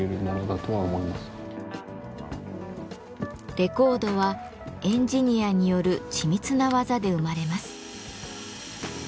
レコードはエンジニアによる緻密な技で生まれます。